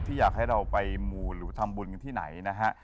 อยากให้เราไปมูหรือทำบุญที่ไหนนะฮะ